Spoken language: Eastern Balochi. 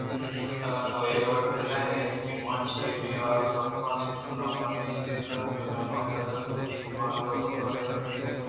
اگاں تو اے وڑ کنئے کہ منءَ چہ بے حا لےگپان چیر دے گڑا چوں منی دل ءَ بیم پیداک نہ بیت ءُبانکءِ گپ بے باوری بنت؟